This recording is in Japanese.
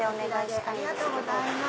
ありがとうございます。